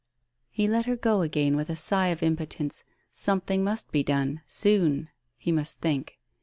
..." He let her go again with a sigh of impotence. Some thing must be done ... soon ... he must think.